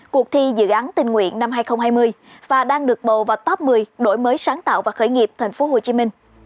cuộc thi dự án tình nguyện năm hai nghìn hai mươi và đang được bầu vào top một mươi đổi mới sáng tạo và khởi nghiệp tp hcm